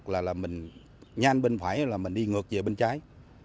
là mình nhanh bên phải là mình đi ngược về bên trái